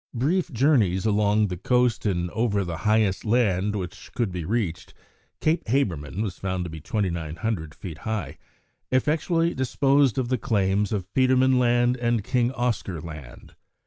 Brief journeys along the coast and over the highest land which could be reached Cape Habermann was found to be 2900 feet high effectually disposed of the claims of Petermann Land and King Oscar Land.